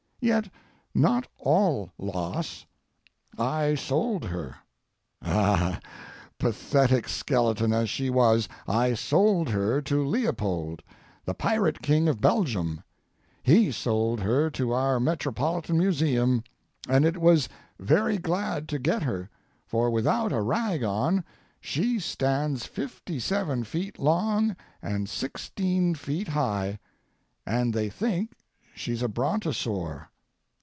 Yet not all loss. I sold her—ah, pathetic skeleton, as she was—I sold her to Leopold, the pirate King of Belgium; he sold her to our Metropolitan Museum, and it was very glad to get her, for without a rag on, she stands 57 feet long and 16 feet high, and they think she's a brontosaur.